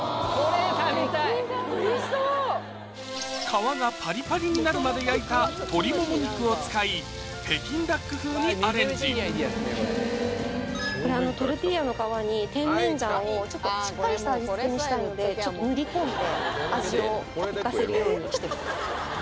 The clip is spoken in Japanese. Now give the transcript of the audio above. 皮がパリパリになるまで焼いた鶏もも肉を使い北京ダック風にアレンジトルティーヤの皮にテンメンジャンをちょっとしっかりした味付けにしたいので塗り込んで味を生かせるようにしています